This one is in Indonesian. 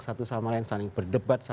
satu sama lain saling berdebat